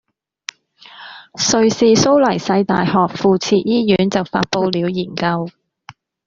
瑞士蘇黎世大學附設醫院就發佈了研究